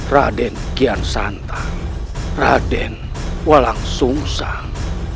raden kian santa raden walang sungsang